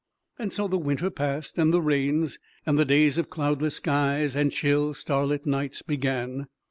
And so the winter passed and the rains, and the days of cloudless skies and chill starlit nights began.